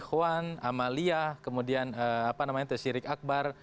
khwan amaliyah kemudian syirik akbar